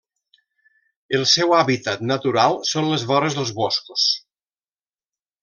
El seu hàbitat natural són les vores dels boscos.